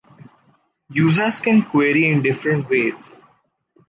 Users can query in different ways.